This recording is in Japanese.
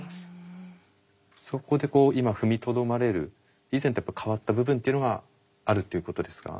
そこで今踏みとどまれる以前と変わった部分っていうのがあるっていうことですか？